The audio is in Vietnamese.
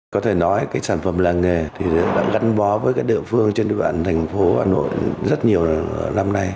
có thể nói sản phẩm làng nghề đã gắn bó với địa phương trên địa phương thành phố hà nội rất nhiều năm nay